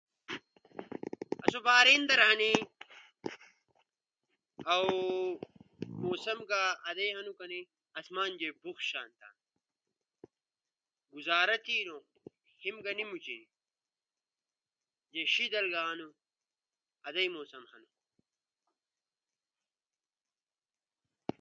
آسو بحرین در ہنی، اؤ موسم جے آدیئی ہنو کنأ آسمان جے بُگ شانتا گوزارا تھینو۔ ہیم گا نی موچیئی، جے شیدل گا ہنو، آدیئی موسم ہنو۔